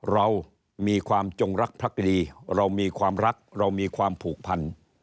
เรามีความจงรักภักดีเรามีความรักเรามีความผูกพัน